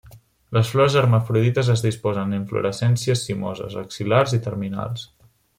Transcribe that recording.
Les flors hermafrodites es disposen en inflorescències cimoses, axil·lars i terminals.